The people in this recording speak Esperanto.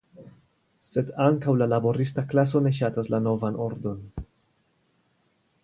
Sed ankaŭ la laborista klaso ne ŝatas la novan ordon.